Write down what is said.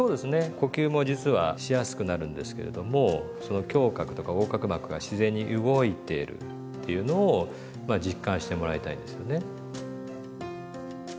呼吸も実はしやすくなるんですけれどもその胸郭とか横隔膜が自然に動いてるっていうのをまあ実感してもらいたいんですよね。